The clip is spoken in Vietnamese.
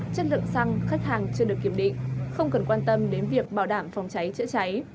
chất lượng xăng khách hàng chưa được kiểm định không cần quan tâm đến việc bảo đảm phòng cháy chữa cháy